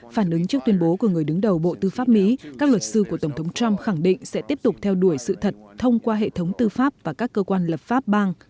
phản ứng trước tuyên bố của người đứng đầu bộ tư pháp mỹ các luật sư của tổng thống trump khẳng định sẽ tiếp tục theo đuổi sự thật thông qua hệ thống tư pháp và các cơ quan lập pháp bang